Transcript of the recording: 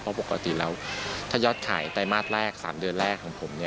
เพราะปกติแล้วถ้ายอดขายไตรมาสแรก๓เดือนแรกของผม